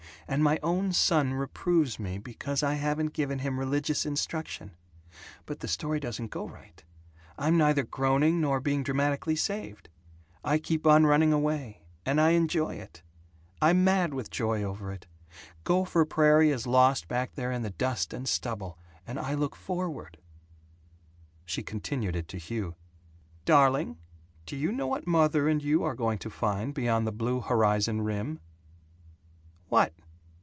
And my own son reproves me because I haven't given him religious instruction. But the story doesn't go right. I'm neither groaning nor being dramatically saved. I keep on running away, and I enjoy it. I'm mad with joy over it. Gopher Prairie is lost back there in the dust and stubble, and I look forward " She continued it to Hugh: "Darling, do you know what mother and you are going to find beyond the blue horizon rim?" "What?"